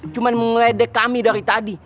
cuman mengeledek kami dari tadi